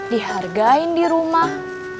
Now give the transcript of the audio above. dihargain di rumah